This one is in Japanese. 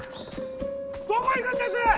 どこ行くんです？